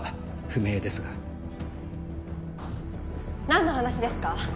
なんの話ですか？